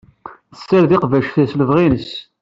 Tessared iqbac s lebɣi-nnes.